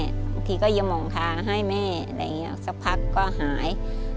บางทีก็ยังมองคาให้แม่สักพักก็หาย